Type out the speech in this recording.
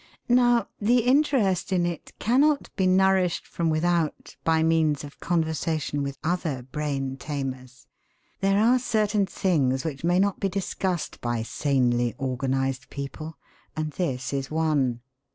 Now, the interest in it cannot be nourished from without by means of conversation with other brain tamers. There are certain things which may not be discussed by sanely organised people; and this is one.